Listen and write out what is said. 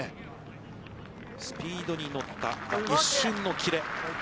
スピードに乗った一瞬の切れ。